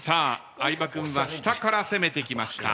相葉君は下から攻めてきました。